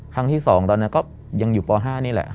ครั้งที่๒ตอนนั้นก็ยังอยู่ป๕นี่แหละ